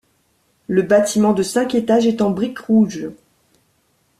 Le bâtiment de cinq étages est en briques rouge.